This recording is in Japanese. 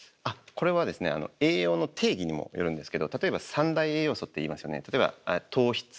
あっこれはですね栄養の定義にもよるんですけど例えば３大栄養素っていいますよね。